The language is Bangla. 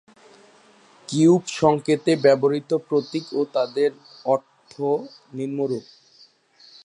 কিউব সংকেতে ব্যবহৃত প্রতীক ও তাদের অর্থ নিম্নরূপ।